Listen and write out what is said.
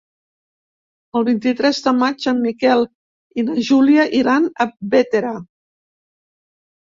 El vint-i-tres de maig en Miquel i na Júlia iran a Bétera.